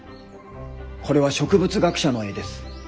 これは植物学者の絵です。